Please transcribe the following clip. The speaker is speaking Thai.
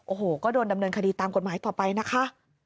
โอ้โหก็โดนดำเนินคดีตามกฎหมายต่อไปนะคะ